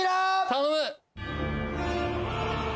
頼む！